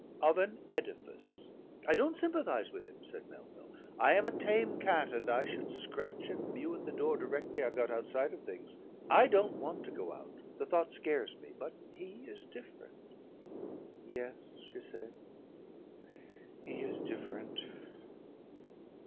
"Of an edifice.... I don't sympathise with him," said Melville. "I am a tame cat and I should scratch and mew at the door directly I got outside of things. I don't want to go out. The thought scares me. But he is different." "Yes," she said, "he is different."